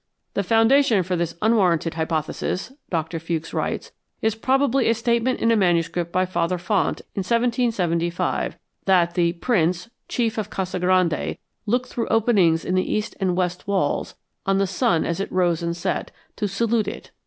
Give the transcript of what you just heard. "The foundation for this unwarranted hypothesis," Doctor Fewkes writes, "is probably a statement in a manuscript by Father Font in 1775, that the 'Prince,' 'chief' of Casa Grande, looked through openings in the east and west walls 'on the sun as it rose and set, to salute it.'